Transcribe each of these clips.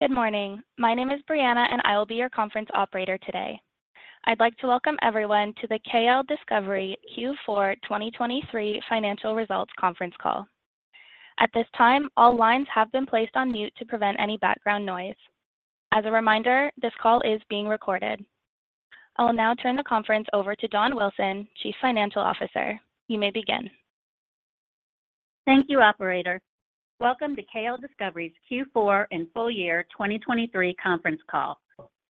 Good morning. My name is Brianna, and I will be your conference operator today. I'd like to welcome everyone to the KLDiscovery Q4 2023 financial results conference call. At this time, all lines have been placed on mute to prevent any background noise. As a reminder, this call is being recorded. I will now turn the conference over to Dawn Wilson, Chief Financial Officer. You may begin. Thank you, Operator. Welcome to KLDiscovery's Q4 and full-year 2023 conference call.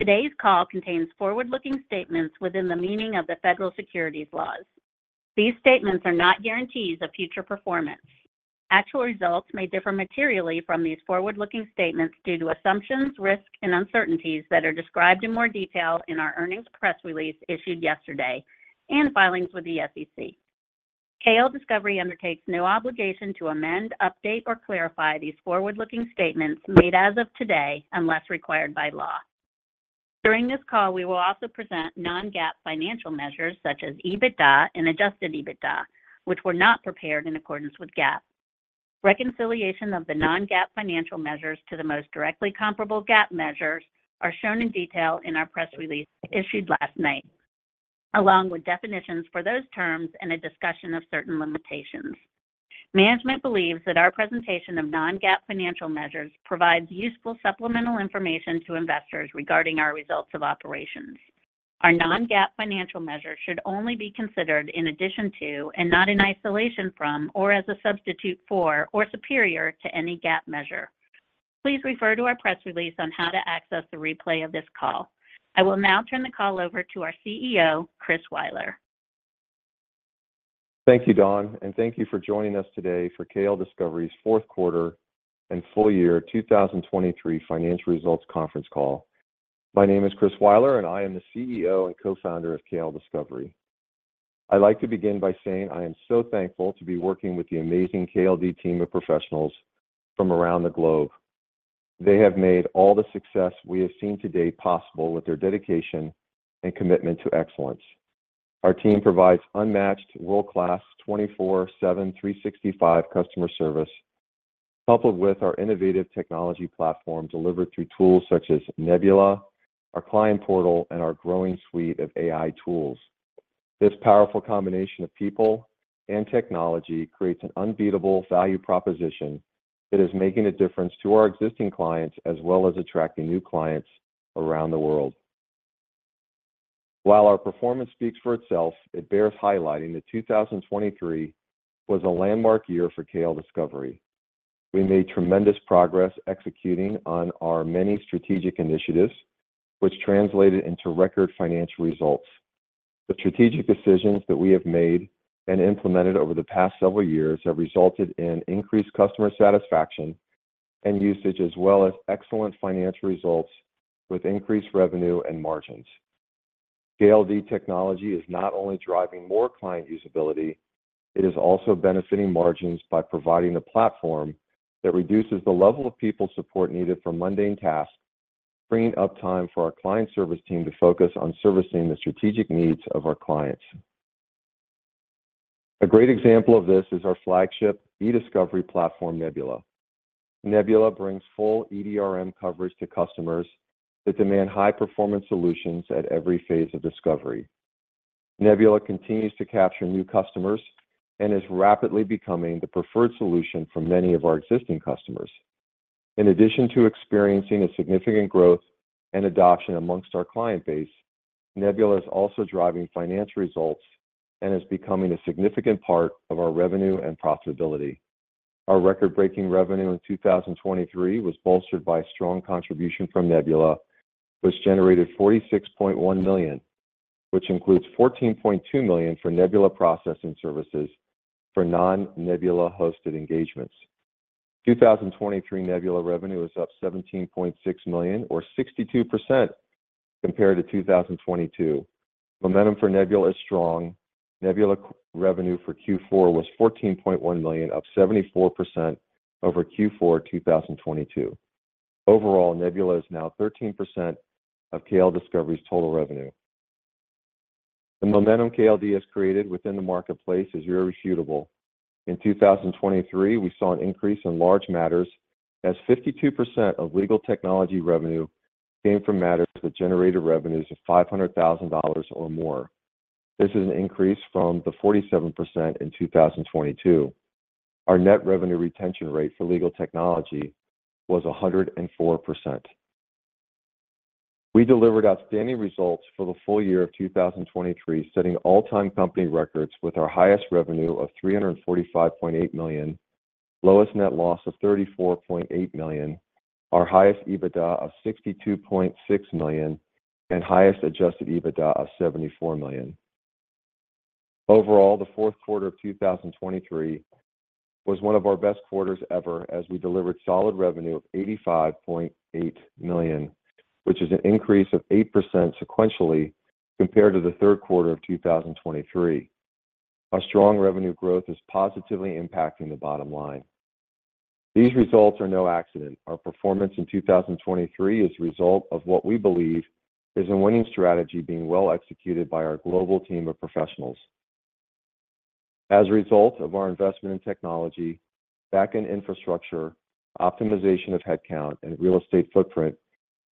Today's call contains forward-looking statements within the meaning of the federal securities laws. These statements are not guarantees of future performance. Actual results may differ materially from these forward-looking statements due to assumptions, risk, and uncertainties that are described in more detail in our earnings press release issued yesterday and filings with the SEC. KLDiscovery undertakes no obligation to amend, update, or clarify these forward-looking statements made as of today unless required by law. During this call, we will also present non-GAAP financial measures such as EBITDA and adjusted EBITDA, which were not prepared in accordance with GAAP. Reconciliation of the non-GAAP financial measures to the most directly comparable GAAP measures are shown in detail in our press release issued last night, along with definitions for those terms and a discussion of certain limitations. Management believes that our presentation of non-GAAP financial measures provides useful supplemental information to investors regarding our results of operations. Our non-GAAP financial measures should only be considered in addition to and not in isolation from or as a substitute for or superior to any GAAP measure. Please refer to our press release on how to access the replay of this call. I will now turn the call over to our CEO, Chris Weiler. Thank you, Dawn, and thank you for joining us today for KLDiscovery's fourth quarter and full-year 2023 financial results conference call. My name is Chris Weiler, and I am the CEO and Co-Founder of KLDiscovery. I'd like to begin by saying I am so thankful to be working with the amazing KLD team of professionals from around the globe. They have made all the success we have seen today possible with their dedication and commitment to excellence. Our team provides unmatched world-class 24/7 365 customer service, coupled with our innovative technology platform delivered through tools such as Nebula, our client portal, and our growing suite of AI tools. This powerful combination of people and technology creates an unbeatable value proposition that is making a difference to our existing clients as well as attracting new clients around the world. While our performance speaks for itself, it bears highlighting that 2023 was a landmark year for KLDiscovery. We made tremendous progress executing on our many strategic initiatives, which translated into record financial results. The strategic decisions that we have made and implemented over the past several years have resulted in increased customer satisfaction and usage as well as excellent financial results with increased revenue and margins. KLD technology is not only driving more client usability. It is also benefiting margins by providing a platform that reduces the level of people support needed for mundane tasks, freeing up time for our client service team to focus on servicing the strategic needs of our clients. A great example of this is our flagship eDiscovery platform, Nebula. Nebula brings full EDRM coverage to customers that demand high-performance solutions at every phase of discovery. Nebula continues to capture new customers and is rapidly becoming the preferred solution for many of our existing customers. In addition to experiencing a significant growth and adoption amongst our client base, Nebula is also driving financial results and is becoming a significant part of our revenue and profitability. Our record-breaking revenue in 2023 was bolstered by strong contribution from Nebula, which generated $46.1 million, which includes $14.2 million for Nebula processing services for non-Nebula-hosted engagements. 2023 Nebula revenue is up $17.6 million, or 62%, compared to 2022. Momentum for Nebula is strong. Nebula revenue for Q4 was $14.1 million, up 74% over Q4 2022. Overall, Nebula is now 13% of KLDiscovery's total revenue. The momentum KLD has created within the marketplace is irrefutable. In 2023, we saw an increase in large matters as 52% of legal technology revenue came from matters that generated revenues of $500,000 or more. This is an increase from the 47% in 2022. Our net revenue retention rate for legal technology was 104%. We delivered outstanding results for the full year of 2023, setting all-time company records with our highest revenue of $345.8 million, lowest net loss of $34.8 million, our highest EBITDA of $62.6 million, and highest adjusted EBITDA of $74 million. Overall, the fourth quarter of 2023 was one of our best quarters ever as we delivered solid revenue of $85.8 million, which is an increase of 8% sequentially compared to the third quarter of 2023. Our strong revenue growth is positively impacting the bottom line. These results are no accident. Our performance in 2023 is a result of what we believe is a winning strategy being well executed by our global team of professionals. As a result of our investment in technology, backend infrastructure, optimization of headcount, and real estate footprint,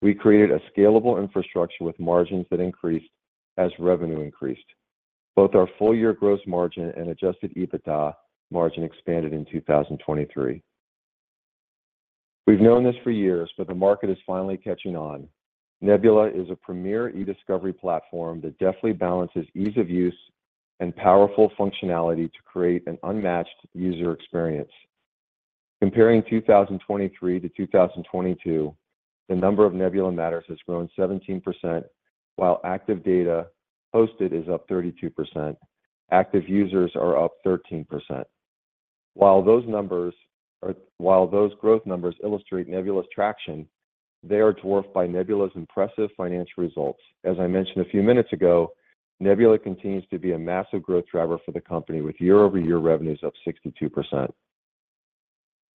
we created a scalable infrastructure with margins that increased as revenue increased. Both our full-year gross margin and Adjusted EBITDA margin expanded in 2023. We've known this for years, but the market is finally catching on. Nebula is a premier eDiscovery platform that deftly balances ease of use and powerful functionality to create an unmatched user experience. Comparing 2023 to 2022, the number of Nebula matters has grown 17%, while active data hosted is up 32%. Active users are up 13%. While those growth numbers illustrate Nebula's traction, they are dwarfed by Nebula's impressive financial results. As I mentioned a few minutes ago, Nebula continues to be a massive growth driver for the company, with year-over-year revenues up 62%.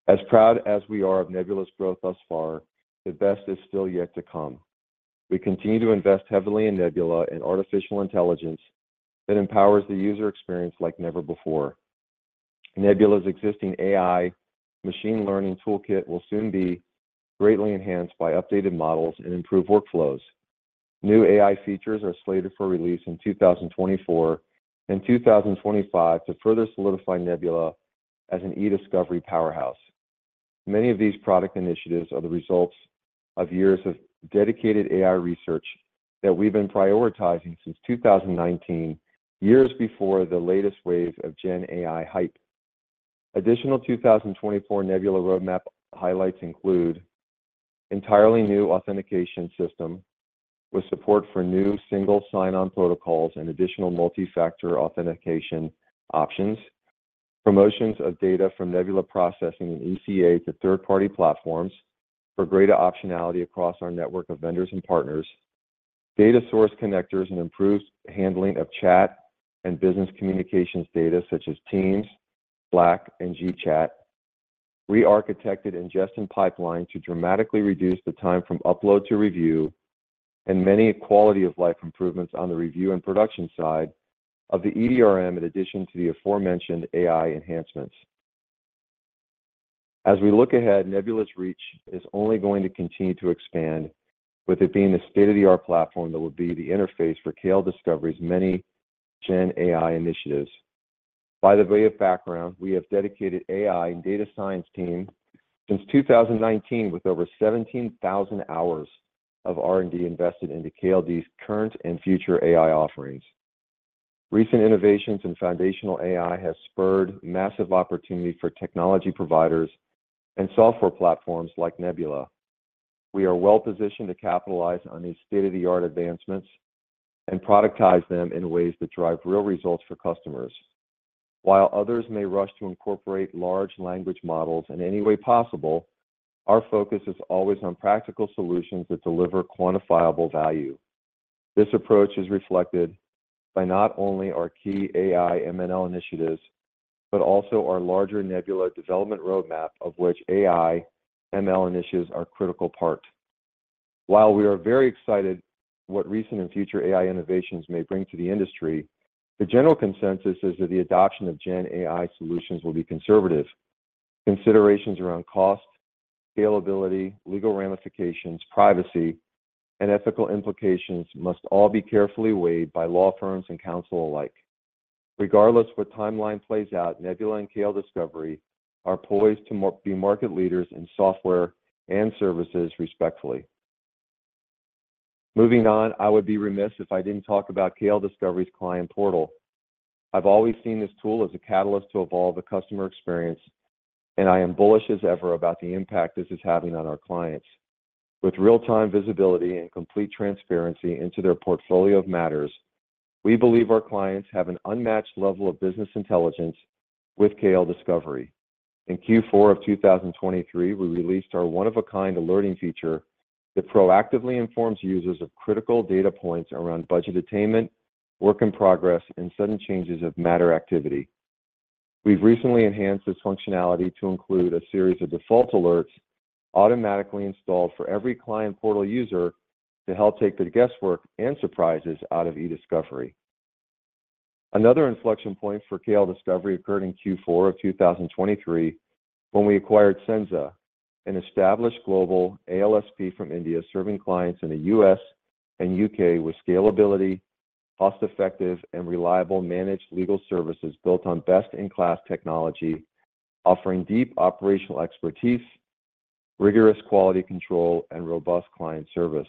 As proud as we are of Nebula's growth thus far, the best is still yet to come. We continue to invest heavily in Nebula and artificial intelligence that empowers the user experience like never before. Nebula's existing AI machine learning toolkit will soon be greatly enhanced by updated models and improved workflows. New AI features are slated for release in 2024 and 2025 to further solidify Nebula as an eDiscovery powerhouse. Many of these product initiatives are the results of years of dedicated AI research that we've been prioritizing since 2019, years before the latest wave of Gen AI hype. Additional 2024 Nebula roadmap highlights include: entirely new authentication system with support for new single sign-on protocols and additional multi-factor authentication options. Promotions of data from Nebula processing and ECA to third-party platforms for greater optionality across our network of vendors and partners. Data source connectors and improved handling of chat and business communications data such as Teams, Slack, and G Chat. Re-architected ingestion pipeline to dramatically reduce the time from upload to review. And many quality-of-life improvements on the review and production side of the EDRM in addition to the aforementioned AI enhancements. As we look ahead, Nebula's reach is only going to continue to expand, with it being the state-of-the-art platform that will be the interface for KLDiscovery's many Gen AI initiatives. By way of background, we have dedicated AI and data science teams since 2019 with over 17,000 hours of R&D invested into KLD's current and future AI offerings. Recent innovations in foundational AI have spurred massive opportunity for technology providers and software platforms like Nebula. We are well-positioned to capitalize on these state-of-the-art advancements and productize them in ways that drive real results for customers. While others may rush to incorporate large language models in any way possible, our focus is always on practical solutions that deliver quantifiable value. This approach is reflected by not only our key AI/ML initiatives but also our larger Nebula development roadmap, of which AI/ML initiatives are a critical part. While we are very excited about what recent and future AI innovations may bring to the industry, the general consensus is that the adoption of Gen AI solutions will be conservative. Considerations around cost, scalability, legal ramifications, privacy, and ethical implications must all be carefully weighed by law firms and counsel alike. Regardless of what timeline plays out, Nebula and KLDiscovery are poised to be market leaders in software and services respectively. Moving on, I would be remiss if I didn't talk about KLDiscovery's Client Portal. I've always seen this tool as a catalyst to evolve the customer experience, and I am bullish as ever about the impact this is having on our clients. With real-time visibility and complete transparency into their portfolio of matters, we believe our clients have an unmatched level of business intelligence with KLDiscovery. In Q4 of 2023, we released our one-of-a-kind alerting feature that proactively informs users of critical data points around budget attainment, work in progress, and sudden changes of matter activity. We've recently enhanced this functionality to include a series of default alerts automatically installed for every Client Portal user to help take the guesswork and surprises out of eDiscovery. Another inflection point for KLDiscovery occurred in Q4 of 2023 when we acquired Censo, an established global ALSP from India serving clients in the U.S. and U.K. with scalability, cost-effective, and reliable managed legal services built on best-in-class technology, offering deep operational expertise, rigorous quality control, and robust client service.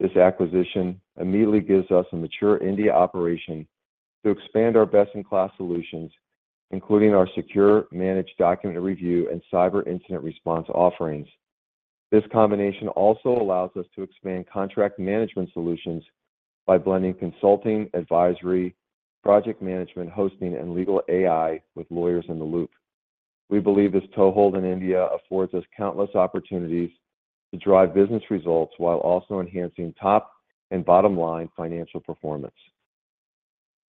This acquisition immediately gives us a mature India operation to expand our best-in-class solutions, including our secure Managed Document Review and Cyber Incident Response offerings. This combination also allows us to expand contract management solutions by blending consulting, advisory, project management, hosting, and legal AI with lawyers in the loop. We believe this toehold in India affords us countless opportunities to drive business results while also enhancing top and bottom-line financial performance.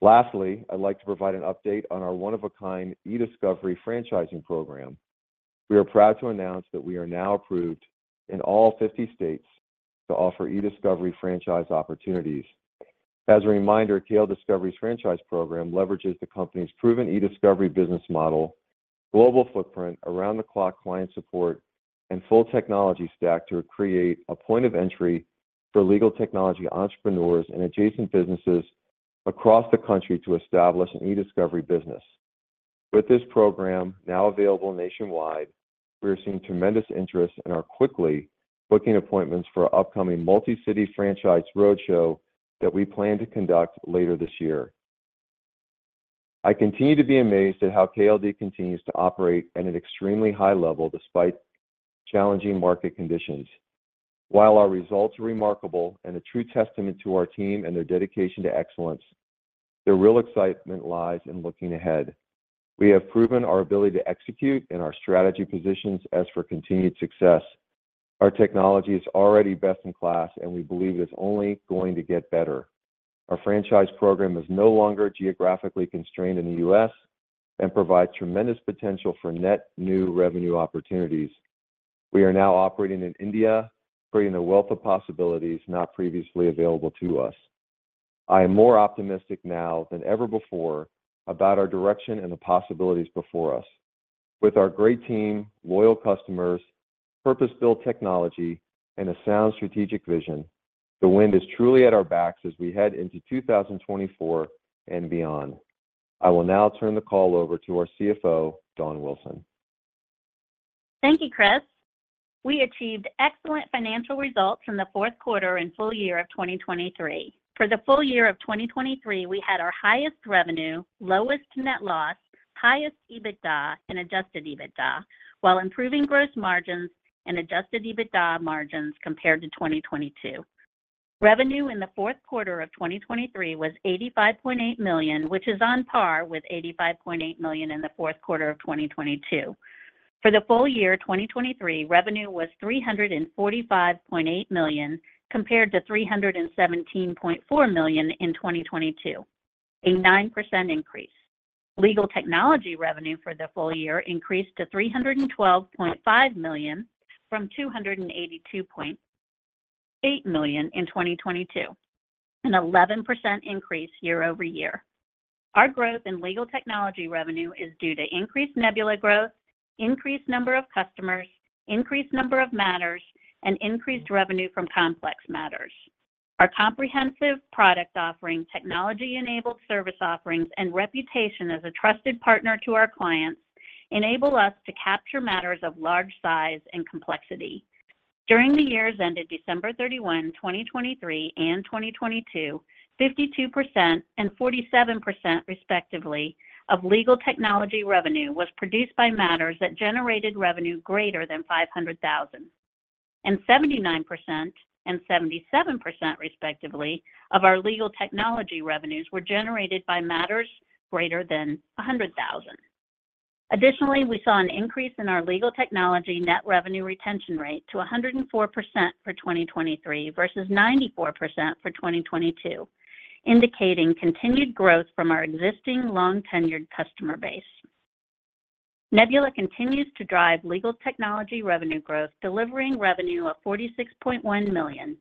Lastly, I'd like to provide an update on our one-of-a-kind eDiscovery franchising program. We are proud to announce that we are now approved in all 50 states to offer eDiscovery franchise opportunities. As a reminder, KLDiscovery's franchise program leverages the company's proven eDiscovery business model, global footprint, around-the-clock client support, and full technology stack to create a point of entry for legal technology entrepreneurs and adjacent businesses across the country to establish an eDiscovery business. With this program now available nationwide, we are seeing tremendous interest and are quickly booking appointments for our upcoming multi-city franchise roadshow that we plan to conduct later this year. I continue to be amazed at how KLD continues to operate at an extremely high level despite challenging market conditions. While our results are remarkable and a true testament to our team and their dedication to excellence, their real excitement lies in looking ahead. We have proven our ability to execute in our strategy positions as for continued success. Our technology is already best-in-class, and we believe it is only going to get better. Our franchise program is no longer geographically constrained in the U.S. and provides tremendous potential for net new revenue opportunities. We are now operating in India, creating a wealth of possibilities not previously available to us. I am more optimistic now than ever before about our direction and the possibilities before us. With our great team, loyal customers, purpose-built technology, and a sound strategic vision, the wind is truly at our backs as we head into 2024 and beyond. I will now turn the call over to our CFO, Dawn Wilson. Thank you, Chris. We achieved excellent financial results in the fourth quarter and full year of 2023. For the full year of 2023, we had our highest revenue, lowest net loss, highest EBITDA, and adjusted EBITDA, while improving gross margins and adjusted EBITDA margins compared to 2022. Revenue in the fourth quarter of 2023 was $85.8 million, which is on par with $85.8 million in the fourth quarter of 2022. For the full year 2023, revenue was $345.8 million compared to $317.4 million in 2022, a 9% increase. Legal technology revenue for the full year increased to $312.5 million from $282.8 million in 2022, an 11% increase year-over-year. Our growth in legal technology revenue is due to increased Nebula growth, increased number of customers, increased number of matters, and increased revenue from complex matters. Our comprehensive product offering, technology-enabled service offerings, and reputation as a trusted partner to our clients enable us to capture matters of large size and complexity. During the years ended December 31, 2023, and 2022, 52% and 47% respectively of legal technology revenue was produced by matters that generated revenue greater than $500,000, and 79% and 77% respectively of our legal technology revenues were generated by matters greater than $100,000. Additionally, we saw an increase in our legal technology net revenue retention rate to 104% for 2023 versus 94% for 2022, indicating continued growth from our existing long-tenured customer base. Nebula continues to drive legal technology revenue growth, delivering revenue of $46.1 million.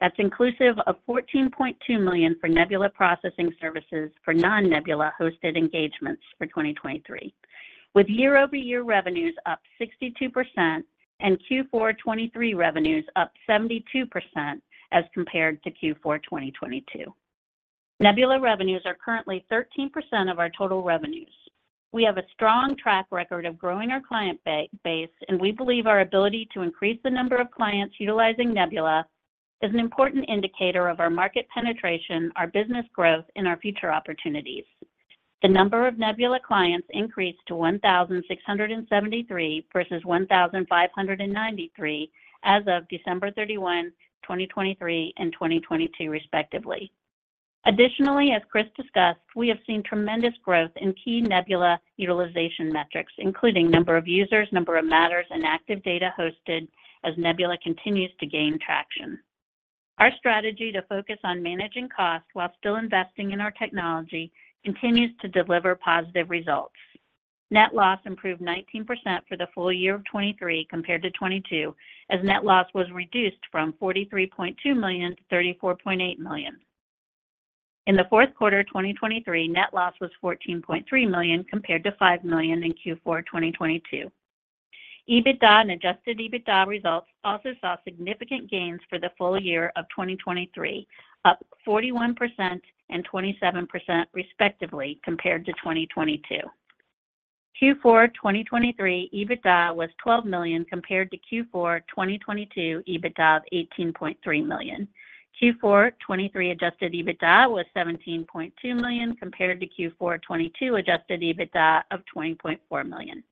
That's inclusive of $14.2 million for Nebula processing services for non-Nebula hosted engagements for 2023, with year-over-year revenues up 62% and Q4 2023 revenues up 72% as compared to Q4 2022. Nebula revenues are currently 13% of our total revenues. We have a strong track record of growing our client base, and we believe our ability to increase the number of clients utilizing Nebula is an important indicator of our market penetration, our business growth, and our future opportunities. The number of Nebula clients increased to 1,673 versus 1,593 as of December 31, 2023, and 2022 respectively. Additionally, as Chris discussed, we have seen tremendous growth in key Nebula utilization metrics, including number of users, number of matters, and active data hosted as Nebula continues to gain traction. Our strategy to focus on managing cost while still investing in our technology continues to deliver positive results. Net loss improved 19% for the full year of 2023 compared to 2022, as net loss was reduced from $43.2 million to $34.8 million. In the fourth quarter 2023, net loss was $14.3 million compared to $5 million in Q4 2022. EBITDA and adjusted EBITDA results also saw significant gains for the full year of 2023, up 41% and 27% respectively compared to 2022. Q4 2023 EBITDA was $12 million compared to Q4 2022 EBITDA of $18.3 million. Q4 '23 adjusted EBITDA was $17.2 million compared to Q4 '22 adjusted EBITDA of $20.4 million.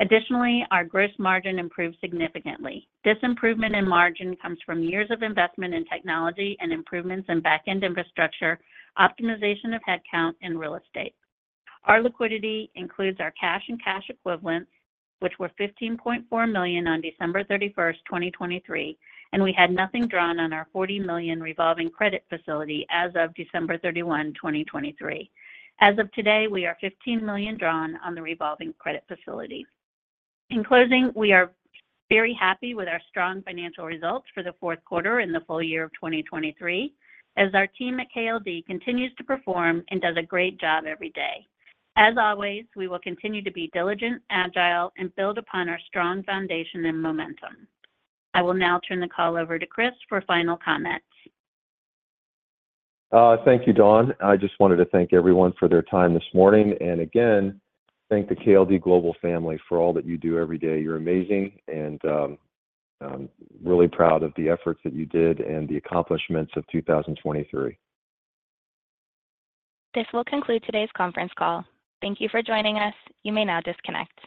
Additionally, our gross margin improved significantly. This improvement in margin comes from years of investment in technology and improvements in back-end infrastructure, optimization of headcount, and real estate. Our liquidity includes our cash and cash equivalents, which were $15.4 million on December 31, 2023, and we had nothing drawn on our $40 million revolving credit facility as of December 31, 2023. As of today, we are $15 million drawn on the revolving credit facility. In closing, we are very happy with our strong financial results for the fourth quarter and the full year of 2023 as our team at KLD continues to perform and does a great job every day. As always, we will continue to be diligent, agile, and build upon our strong foundation and momentum. I will now turn the call over to Chris for final comments. Thank you, Dawn. I just wanted to thank everyone for their time this morning, and again, thank the KLD Global family for all that you do every day. You're amazing, and I'm really proud of the efforts that you did and the accomplishments of 2023. This will conclude today's conference call. Thank you for joining us. You may now disconnect.